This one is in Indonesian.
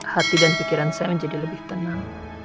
hati dan pikiran saya menjadi lebih tenang